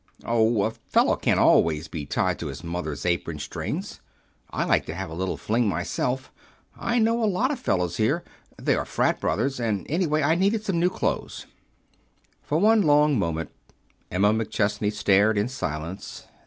"Oh, a fellow can't always be tied to his mother's apron strings. I like to have a little fling myself. I know a lot of fellows here. They are frat brothers. And anyway, I needed some new clothes." For one long moment Emma McChesney stared, in silence.